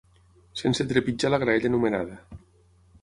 Sense trepitjar la graella numerada.